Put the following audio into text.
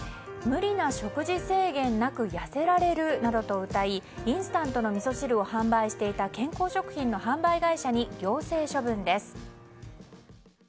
無理な食事制限なく痩せられるなどとうたいインスタントのみそ汁を販売していた健康食品の販売会社に行政処分です。